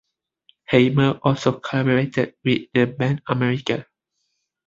Haimer also collaborated with the band America.